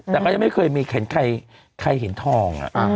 แต่ก็ไม่เคยมีแขนใครเห็นทอง